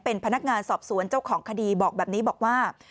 เป็นพนักงานสอบสวนเจ้าของคดีบอกแบบนี้บอกว่า